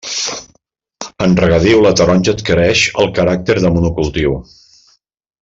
En regadiu la taronja adquireix el caràcter de monocultiu.